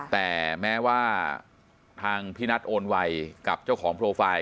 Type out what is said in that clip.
แต่แม้ว่าทางพี่นัทโอนไวกับเจ้าของโปรไฟล์